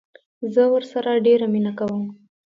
زه ورسره ډيره مينه کوم